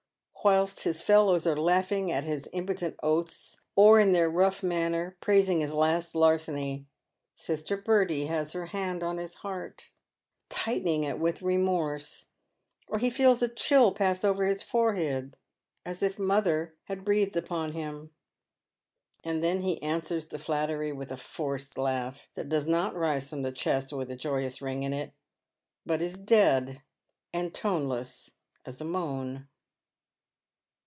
"Whilst his fellows are laughing at his impotent oaths, or, in their rough manner, praising his last larceny, Sister Bertie has her hand on his heart, tightening it with remorse, or he feels a chill pass over his forehead, as if " mother" had breathed upon him ; and then he answers the flattery with a forced laugh, that does not rise from the chest with a joyous ring in it, but is dead and toneless as a moan.